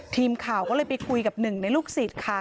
ทีมข่าวก็เลยไปคุยกับหนึ่งในลูกศิษย์ค่ะ